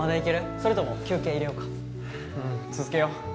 それとも休憩入れよかううん続けよう